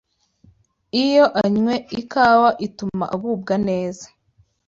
Iyo anywe ikawa ituma agubwa neza